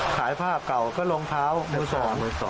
ขายผ้าก่าก็รองเท้ามือสอง